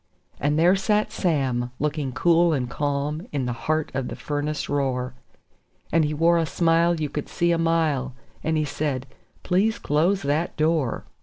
And there sat Sam, looking cool and calm, in the heart of the furnace roar; And he wore a smile you could see a mile, and he said: "Please close that door.